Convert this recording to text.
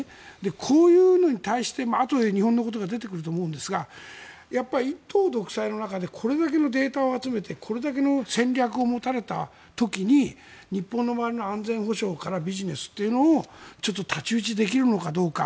こういうのに対してあとで日本のことが出てくると思うんですがやっぱり一党独裁の中でこれだけのデータを集めてこれだけの戦略を持たれた時に日本の周りの安全保障からビジネスというのがちょっと太刀打ちできるのかどうか。